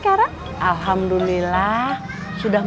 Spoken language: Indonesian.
aku mau ya letak sama tim kayakoh